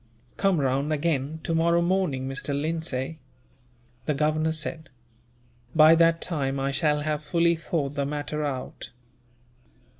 "Come round again tomorrow morning, Mr. Lindsay," the Governor said; "by that time I shall have fully thought the matter out."